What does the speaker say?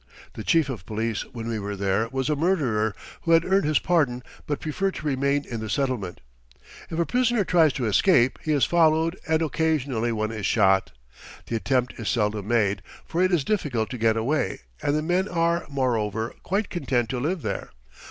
The chief of police when we were there was a murderer who had earned his pardon but preferred to remain in the settlement. If a prisoner tries to escape he is followed, and occasionally one is shot. The attempt is seldom made, for it is difficult to get away, and the men are, moreover, quite content to live there.